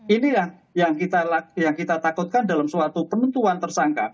ini yang kita takutkan dalam suatu penentuan tersangka